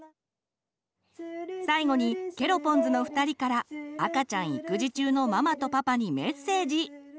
最後にケロポンズの２人から赤ちゃん育児中のママとパパにメッセージ！